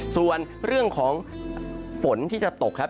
ส่วนเรื่องของฝนที่จะตกครับ